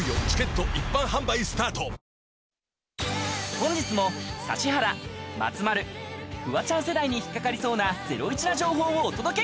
本日も指原、松丸、フワちゃん世代のアンテナに引っ掛かりそうなゼロイチな情報をお届け！